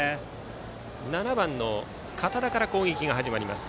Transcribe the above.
７番の堅田から攻撃が始まります